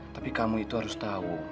tapi kamu itu harus tahu